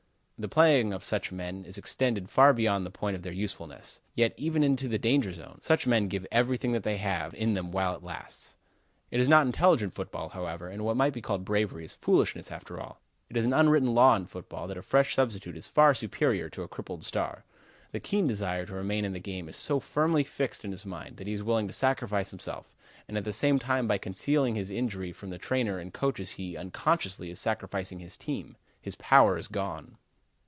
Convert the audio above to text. The playing of such men is extended far beyond the point of their usefulness. Yes, even into the danger zone. Such men give everything they have in them while it lasts. It is not intelligent football, however, and what might be called bravery is foolishness after all. It is an unwritten law in football that a fresh substitute is far superior to a crippled star. The keen desire to remain in the game is so firmly fixed in his mind that he is willing to sacrifice himself, and at the same time by concealing his injury from the trainer and coaches he, unconsciously, is sacrificing his team; his power is gone.